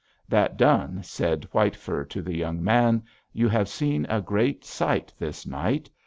That done, said White Fur to the young man: 'You have seen a great sight this night.